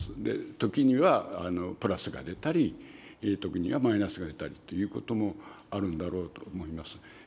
時にはプラスが出たり、時にはマイナスが出たりということもあるんだろうと思います。